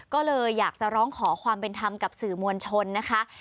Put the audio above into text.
ก็เลยอยากจะร้องขอความเป็นธรรมกับสื่อมวลชนนะคะ